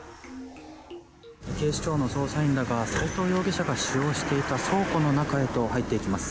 警視庁の捜査員らが齋藤容疑者が使用していた倉庫の中へと入っていきます。